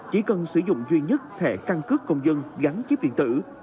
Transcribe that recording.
chỉ cần sử dụng duy nhất thẻ căng cước công dân gắn chiếp điện tử